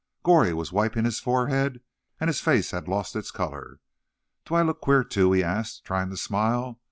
Goree was wiping his forehead, and his face had lost its colour. "Do I look queer, too?" he asked, trying to smile.